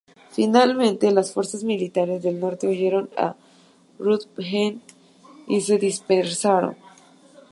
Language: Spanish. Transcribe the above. Finalmente, las fuerzas militares del norte huyeron a Ruthven y se dispersaron.